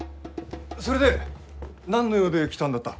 それで何の用で来たんだった？